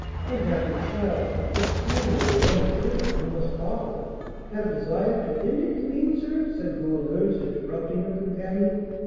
"Unhappy child! With this feeling of your own position, you must often " "Have desired to end it, you mean, sir?" said Goualeuse, interrupting her companion.